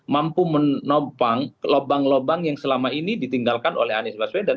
mampu menopang lubang lubang yang selama ini ditinggalkan oleh anies baswedan